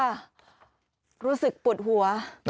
รู้สึกปวดหัว